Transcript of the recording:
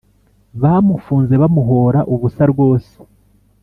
Bamufunze bamuhora ubusa rwose